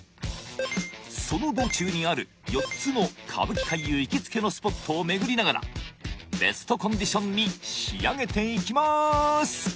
その道中にある４つの歌舞伎俳優行きつけのスポットを巡りながらベストコンディションに仕上げていきます！